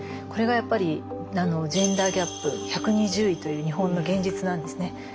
これがやっぱりジェンダーギャップ１２０位という日本の現実なんですね。